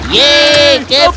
yeay kapten lihat